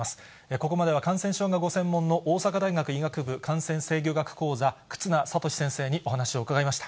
ここまでは感染症がご専門の、大阪大学医学部感染制御学講座、忽那賢志先生にお話を伺いました。